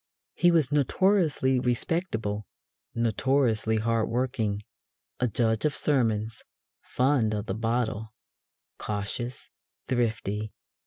He was notoriously respectable, notoriously hard working, a judge of sermons, fond of the bottle, cautious, thrifty.